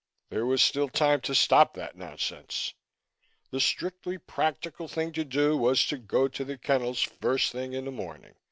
There was still time to stop that nonsense. The strictly practical thing to do was to go to the kennels first thing in the morning.